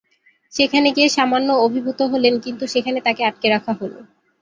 সেখানে গিয়ে সামান্য অভিভূত হলেন কিন্তু সেখানে তাকে আটকে রাখা হল।